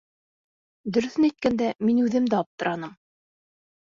Дөрөҫөн әйткәндә, мин үҙем дә аптыраным.